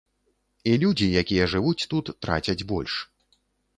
І людзі, якія жывуць тут, трацяць больш.